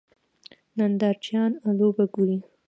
نندارچیان لوبه ګوري.